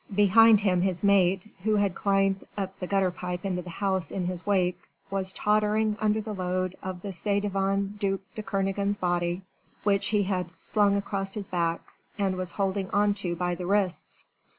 Behind him his mate who had climbed up the gutter pipe into the house in his wake was tottering under the load of the ci devant duc de Kernogan's body which he had slung across his back and was holding on to by the wrists.